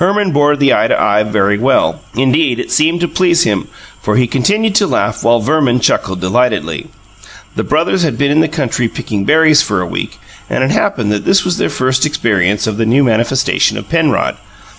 Herman bore the eye to eye very well; indeed, it seemed to please him, for he continued to laugh while Verman chuckled delightedly. The brothers had been in the country picking berries for a week, and it happened that this was their first experience of the new manifestation of Penrod.